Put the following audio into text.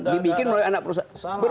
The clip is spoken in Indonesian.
dibikin oleh anak perusahaan